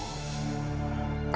aku gak bisa ketemu amirah